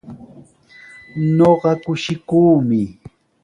Ñuqa kushikuumi.